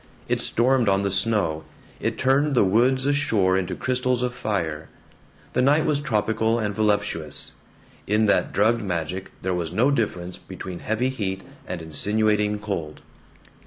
It stormed on the snow, it turned the woods ashore into crystals of fire. The night was tropical and voluptuous. In that drugged magic there was no difference between heavy heat and insinuating cold.